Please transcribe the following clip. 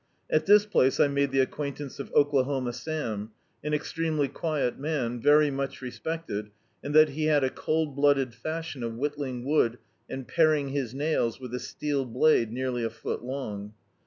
At this place I made the acquaintance of Oklahoma Sam, an extremely quiet man, very much respected in that he had a cold blooded fashion of whittling wood and paring his nails with 3 steel blade nearly a foot long.